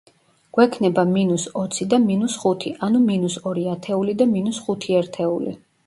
გვექნება მინუს ოცი და მინუს ხუთი, ანუ მინუს ორი ათეული და მინუს ხუთი ერთეული.